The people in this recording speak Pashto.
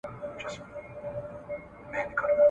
ستا پر لوري د اسمان سترګي ړندې دي ,